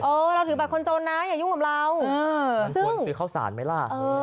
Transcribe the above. เออเราถือบัตรคนจนนะอย่ายุ่งกับเราเออซึ่งสร้างเออ